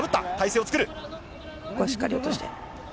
ここはしっかり落として。